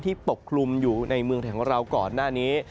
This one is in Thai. ที่ปกลุ่มอยู่ในเมืองธังว่าเราก่อนหน้านี้